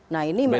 nah ini mereka